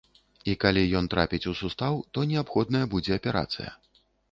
І калі ён трапіць у сустаў, то неабходная будзе аперацыя.